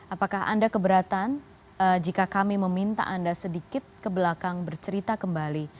apakah anda keberatan jika kami meminta anda sedikit ke belakang bercerita kembali